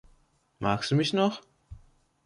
Magst du mich noch?